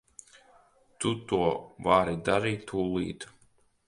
To tu vari darīt tūlīt.